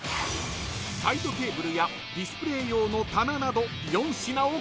［サイドテーブルやディスプレー用の棚など４品を購入。